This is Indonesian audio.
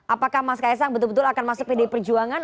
apakah mas ks sang betul betul akan masuk pd perjuangan